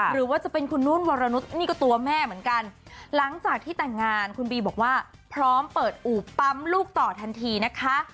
หรือว่าจะเป็นคุณนุ่นวรนุษย์นี่ก็ตัวแม่เหมือนกันหลังจากที่แต่งงานคุณบีบอกว่าพร้อมเปิดอู่ปั๊มลูกต่อทันทีนะคะ